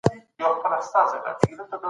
سرچینې باید ضایع نسي.